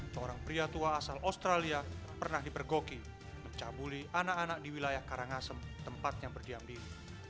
seorang pria tua asal australia pernah dipergoki mencabuli anak anak di wilayah karangasem tempatnya berdiam diri